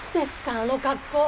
あの格好！